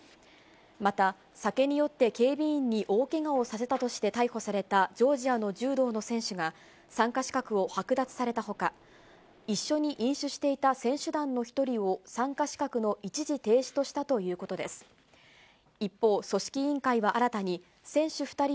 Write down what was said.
また、酒に酔って警備員に大けがをさせたとして逮捕されたジョージアの柔道の選手が参加資格を剥奪されたほか、一緒に飲酒していた選手団の１人を参加資格の一時停止としたとい全国の皆さん、こんにちは。